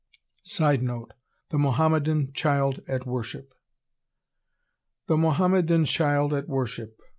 [Sidenote: The Mohammedan Child at Worship.] The Mohammedan Child at Worship!